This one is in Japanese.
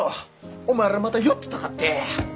お前らまた寄ってたかって。